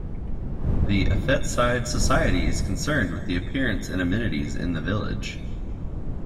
The Affetside Society is concerned with the appearance and amenities in the village.